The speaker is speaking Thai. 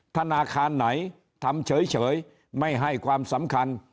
ธนาคารไหนทำเฉยไม่ให้ความสำคัญ